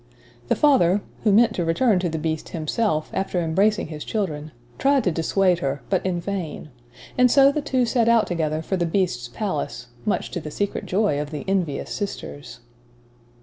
The father (who meant to return to the Beast himself, after embracing his children) tried to dissuade her, but in vain; and so the two set out together for the Beast's palace, much to the secret joy of the envious sisters.